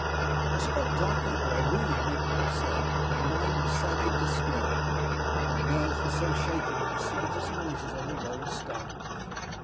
I spoke lightly, but I really meant what I said. My mind was sadly disturbed; my nerves were so shaken that the slightest noises on the road startled me.